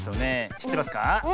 しってますか？